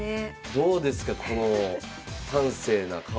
どうですかこの端正な顔だち。